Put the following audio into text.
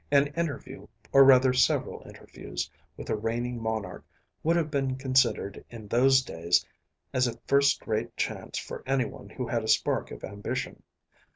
An interview or rather several interviews with a reigning monarch would have been considered in those days as a first rate chance for anyone who had a spark of ambition.